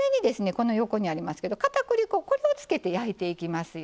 この横にありますけど片栗粉これをつけて焼いていきますよ。